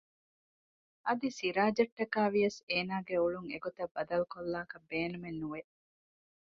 އަދި ސިރާޖަށްޓަކައި ވިޔަސް އޭނާގެ އުޅުން އެގޮތަށް ބަދަލު ކޮށްލާކަށް ބޭނުމެއް ނުވެ